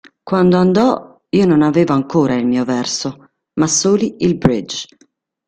Quando andò, io non avevo ancora il mio verso ma soli il bridge.